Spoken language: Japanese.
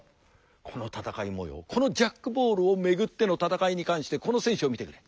この戦いもようこのジャックボールを巡っての戦いに関してこの選手を見てくれ。